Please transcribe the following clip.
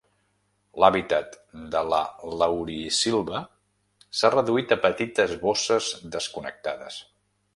L'hàbitat de la laurisilva s'ha reduït a petites bosses desconnectades.